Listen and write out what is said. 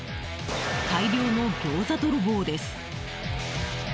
大量のギョーザ泥棒です。